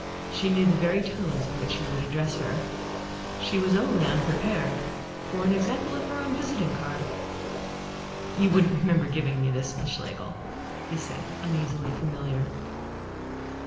She knew the very tones in which he would address her. She was only unprepared for an example of her own visiting card. "You wouldn't remember giving me this, Miss Schlegel?" said he, uneasily familiar.